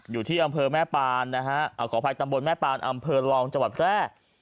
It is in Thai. อยู่ที่อำเภอแม่ปานนะฮะขออภัยตำบลแม่ปานอำเภอรองจังหวัดแพร่